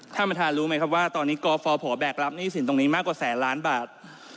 ท่านประธานรู้ไหมครับว่าตอนนี้กฟภแบกรับหนี้สินตรงนี้มากกว่าแสนล้านบาท